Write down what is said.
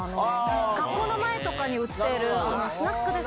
学校の前とかに売ってるスナックです。